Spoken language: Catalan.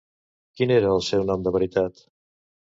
Quin era el seu nom de veritat?